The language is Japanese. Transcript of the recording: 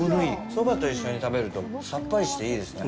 そばと一緒に食べるとさっぱりしていいですね。